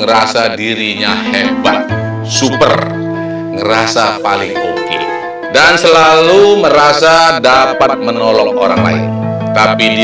ngerasa dirinya hebat super ngerasa paling oke dan selalu merasa dapat menolong orang lain tapi dia